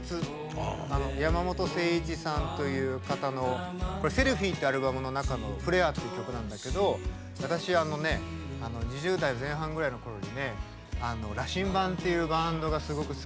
あの山本精一さんという方の「セルフィー」ってアルバムの中の「フレア」って曲なんだけど私あのね２０代前半ぐらいの頃にねあの羅針盤っていうバンドがすごく好きで。